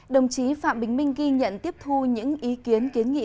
đồng chí phạm bình minh ghi nhận tiếp thu những ý kiến kiến nghị